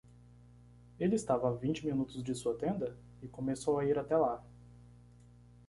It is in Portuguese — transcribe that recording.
Ele estava a vinte minutos de sua tenda? e começou a ir até lá.